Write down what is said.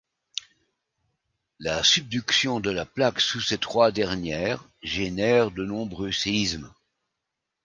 La subduction de la plaque sous ces trois dernières génère de nombreux séismes.